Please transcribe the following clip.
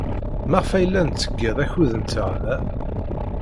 Maɣef ay la nettḍeyyiɛ akud-nteɣ da?